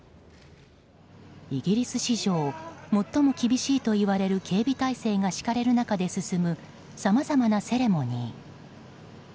イギリス史上最も厳しいといわれる警備態勢が敷かれる中で進むさまざまなセレモニー。